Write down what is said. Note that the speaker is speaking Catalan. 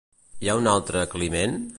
Hi ha un altre Climen?